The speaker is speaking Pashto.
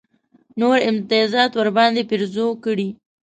نور امتیازات ورباندې پېرزو کړي.